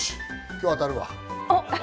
今日当たるわ。